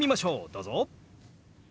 どうぞ。